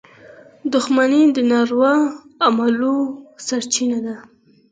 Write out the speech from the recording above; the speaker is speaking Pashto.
• دښمني د ناوړه اعمالو سرچینه ده.